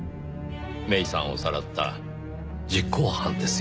芽依さんをさらった実行犯ですよ。